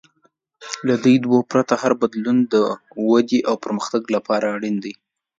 له دې دوو پرته، هر بدلون د ودې او پرمختګ لپاره اړین دی.